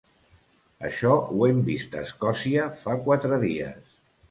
Això ho hem vist a Escòcia fa quatre dies.